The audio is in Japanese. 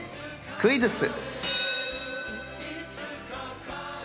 クイズッス！